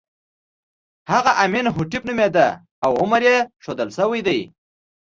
هغه امین هوټېپ نومېده او عمر یې ښودل شوی دی.